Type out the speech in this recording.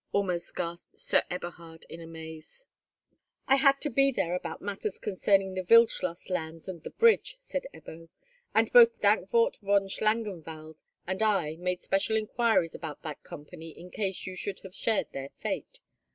almost gasped Sir Eberhard in amaze. "I had to be there about matters concerning the Wildschloss lands and the bridge," said Ebbo; "and both Dankwart von Schlangenwald and I made special inquiries about that company in case you should have shared their fate.